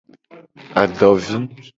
Adovi.